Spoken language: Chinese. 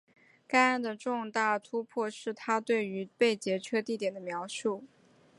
该案的重大突破是她对于被劫车地点的描述。